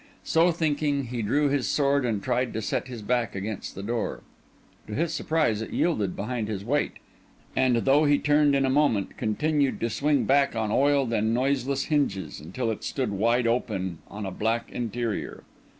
So thinking, he drew his sword and tried to set his back against the door. To his surprise, it yielded behind his weight; and though he turned in a moment, continued to swing back on oiled and noiseless hinges, until it stood wide open on a black interior.